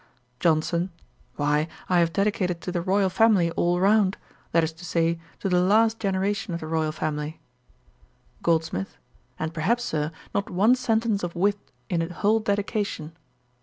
JOHNSON. 'Why I have dedicated to the Royal family all round; that is to say, to the last generation of the Royal family.' GOLDSMITH. 'And perhaps, Sir, not one sentence of wit in a whole Dedication.'